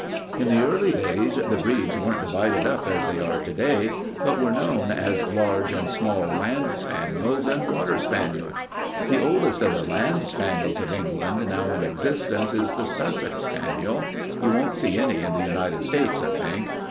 "In the early days, the breeds weren't divided up as they are to day, but were known as large and small land spaniels and water spaniels. The oldest of the land spaniels of England now in existence is the Sussex spaniel. You won't see any in the United States, I think.